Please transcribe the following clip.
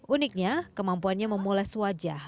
uniknya kemampuannya memulai sewajah